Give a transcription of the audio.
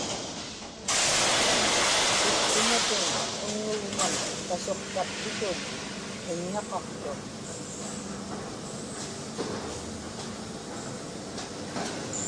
iptumatun unnugman kasuqtaptitun qiññaqaqtuq